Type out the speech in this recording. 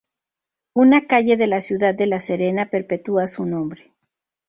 Una calle de la ciudad de la Serena perpetua su nombre.